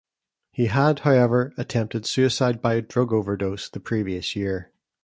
He had, however, attempted suicide by drug overdose the previous year.